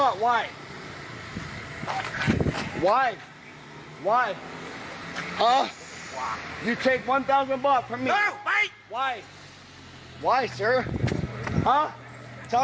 ทำไมท่าน